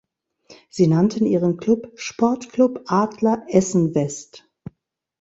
Sie nannten ihren Klub "Sportklub Adler Essen-West".